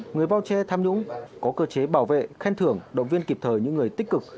người bao che tham nhũng có cơ chế bảo vệ khen thưởng động viên kịp thời những người tích cực